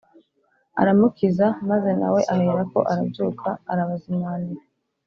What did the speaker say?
aramukiza maze nawe aherako arabyuka arabazimanira